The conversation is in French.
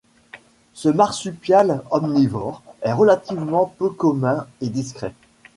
Ce marsupial omnivore est relativement peu commun et discret.